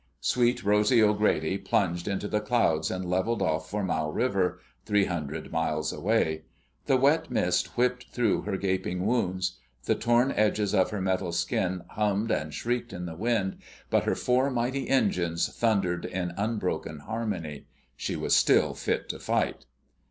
Sweet Rosy O'Grady plunged into the clouds and leveled off for Mau River, three hundred miles away. The wet mist whipped through her gaping wounds. The torn edges of her metal skin hummed and shrieked in the wind, but her four mighty engines thundered in unbroken harmony. She was still fit to fight.